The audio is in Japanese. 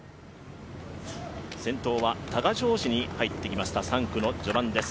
先頭は多賀城市に入ってきました、３区の序盤です。